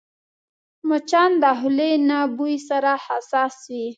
مچان د خولې له بوی سره حساس وي